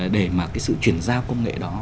để mà sự chuyển giao công nghệ đó